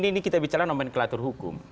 ini kita bicara nomenklatur hukum